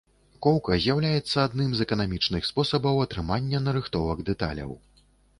Коўка з'яўляецца адным з эканамічных спосабаў атрымання нарыхтовак дэталяў.